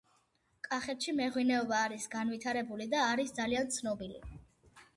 კახეტში მეღვინეობა არის განვითარებული და არის ძალიან ცნობილი